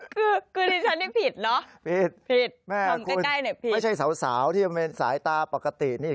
คือคือดิฉันนี่ผิดเนอะผิดผิดไม่ใช่สาวที่ยังเป็นสายตาปกตินี่